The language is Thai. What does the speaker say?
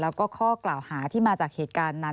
แล้วก็ข้อกล่าวหาที่มาจากเหตุการณ์นั้น